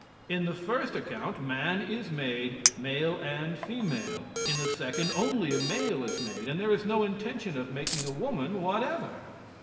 In the first account, man is made "male and female"; in the second only a male is made, and there is no intention of making a woman whatever.